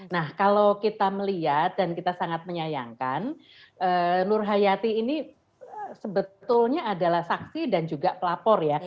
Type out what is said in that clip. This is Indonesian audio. nah kalau kita melihat dan kita sangat menyayangkan nur hayati ini sebetulnya adalah saksi dan juga pelapor ya